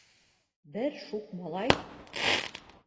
Бер шуҡ малай: